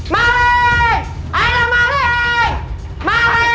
malik malik malik